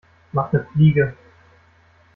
Mach 'ne Fliege!